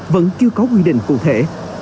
vẫn chưa có quy định cụ thể